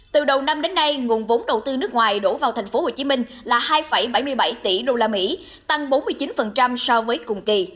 từ đầu năm đến nay nguồn vốn đầu tư nước ngoài đổ vào tp hcm là hai bảy mươi bảy tỷ usd tăng bốn mươi chín so với cùng kỳ